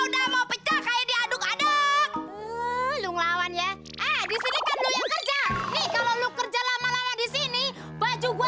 sampai jumpa di video selanjutnya